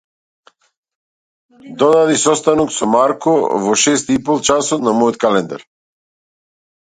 Додади состанок со Марко во шест ипол часот на мојот календар.